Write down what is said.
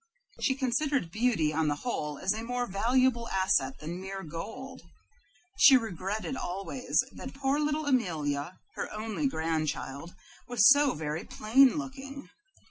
She considered beauty on the whole as a more valuable asset than mere gold. She regretted always that poor little Amelia, her only grandchild, was so very plain looking.